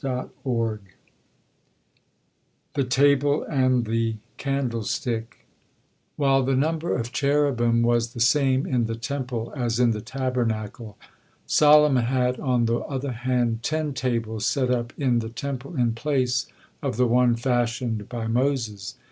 THE TABLE AND THE CANDLESTICK While the number of Cherubim was the same in the Temple as in the Tabernacle, Solomon had, on the other hand, ten tables set up in the Temple in place of the one fashioned by Moses.